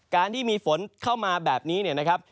การที่มีฝนเข้ามาแบบนี้เนี่ยนะครับ